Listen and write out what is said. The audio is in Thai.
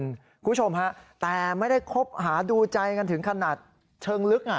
คุณผู้ชมฮะแต่ไม่ได้คบหาดูใจกันถึงขนาดเชิงลึก